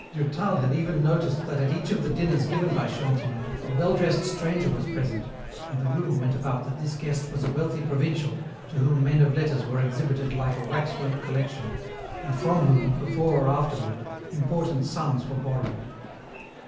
Durtal had even noticed that at each of the dinners given by Chantelouve a well dressed stranger was present, and the rumour went about that this guest was a wealthy provincial to whom men of letters were exhibited like a wax work collection, and from whom, before or afterward, important sums were borrowed.